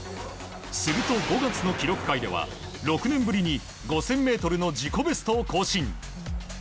すると５月の記録会では６年ぶりに５０００ｍの自己ベストを更新。